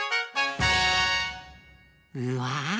うわ！